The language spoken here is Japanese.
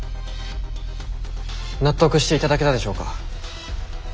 納得していただけたでしょうか。